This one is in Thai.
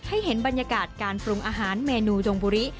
ให้เห็นบรรยากาศการปรุงอาหารเมนูดงบุรี